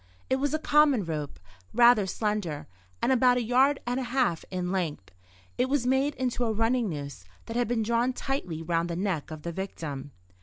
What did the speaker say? It was a common rope, rather slender, and about a yard and a half in length. It was made into a running noose that had been drawn tightly round the neck of the victim.